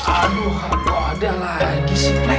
aduh kok ada lagi sih plank